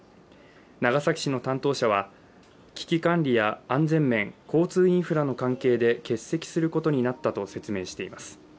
長崎市の担当者は危機管理や安全面交通インフラの関係で欠席することになったと説明しています。